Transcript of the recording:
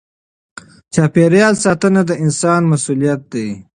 چاپېریال ساتنه د انسان مسؤلیت دی.